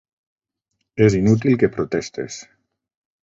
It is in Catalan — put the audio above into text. És inútil que protestes.